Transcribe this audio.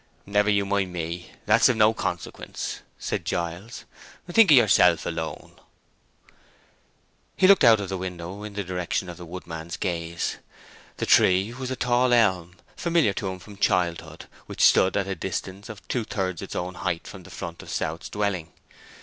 "Never you mind me—that's of no consequence," said Giles. "Think of yourself alone." He looked out of the window in the direction of the woodman's gaze. The tree was a tall elm, familiar to him from childhood, which stood at a distance of two thirds its own height from the front of South's dwelling.